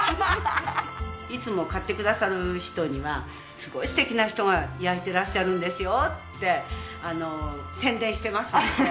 いつも買ってくださる人にはすごい素敵な人が焼いてらっしゃるんですよって宣伝してますけどね。